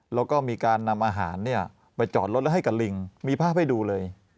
แล้วก็มีการนำอาหารไปจอดรถแล้วให้กับลิงมีภาพให้ดูเลย